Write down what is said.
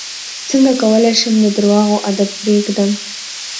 څنګه کولی شم د درواغو عادت پرېږدم